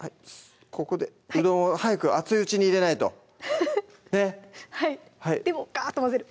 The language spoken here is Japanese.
ここでうどんを早く熱いうちに入れないとでがっと混ぜる！